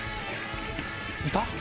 いた？